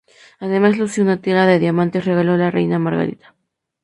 Además, lució una tiara de diamantes, regalo de la reina Margarita.